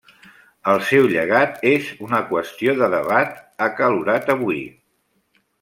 El seu llegat és una qüestió de debat acalorat avui.